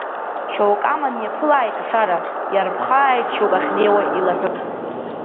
Шьоук аман иаԥылааит ашара, иарԥхааит шьоук ахьнеиуа илаҳәып.